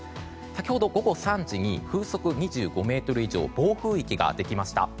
先ほど午後３時に風速２５メートル以上暴風域ができました。